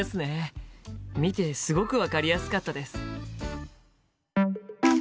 見てすごく分かりやすかったです。